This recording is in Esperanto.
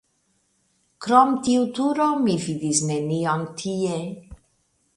Krom tiu turo mi vidis nenion tie.